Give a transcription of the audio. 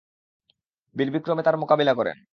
বীরবিক্রমে তার মোকাবিলা করেন।